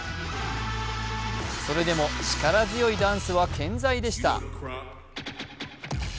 それでも力強いダンスは健在でした。